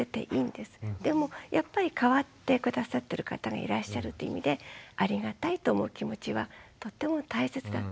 でもやっぱり代わって下さってる方がいらっしゃるという意味でありがたいと思う気持ちはとっても大切だと思うんです。